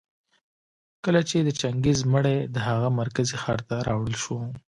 کله چي د چنګېز مړى د هغه مرکزي ښار ته راوړل شو